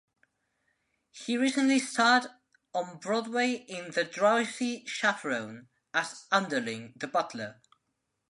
He recently starred on Broadway in "The Drowsy Chaperone" as Underling, the butler.